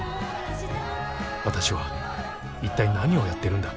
私は一体何をやってるんだ。